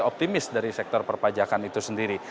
optimis dari sektor perpajakan itu sendiri